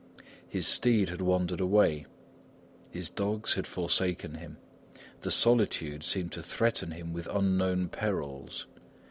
His steed had wandered away; his dogs had forsaken him; the solitude seemed to threaten him with unknown perils.